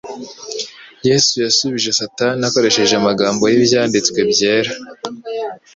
Yesu yasubije Satani akoresheje amagambo y'Ibyanditswe byera.